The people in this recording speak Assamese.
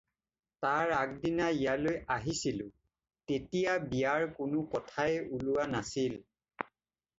তাৰ আগ দিনা ইয়ালৈ আহিছিলোঁ তেতিয়া বিয়াৰ কোনো কথাই ওলোৱা নাছিল।